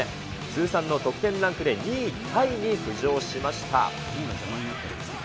通算の得点ランクで２位タイに浮上しました。